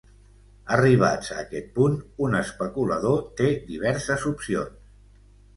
Arribats a aquest punt, un especulador té diverses opcions.